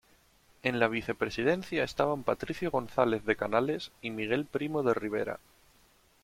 En la vicepresidencia estaban Patricio González de Canales y Miguel Primo de Rivera.